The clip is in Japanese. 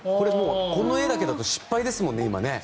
この画だけだと失敗ですよね。